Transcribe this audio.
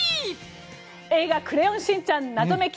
「映画クレヨンしんちゃん謎メキ！